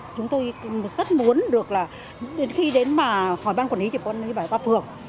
chúng tôi rất muốn được là đến khi đến mà hỏi ban quản lý thì ban quản lý bảo qua phường